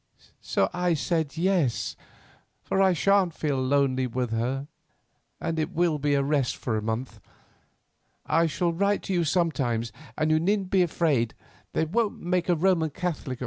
So I said yes, for I shan't feel lonely with her, and it will be a rest for a month. I shall write to you sometimes, and you needn't be afraid, they won't make me a Roman Catholic.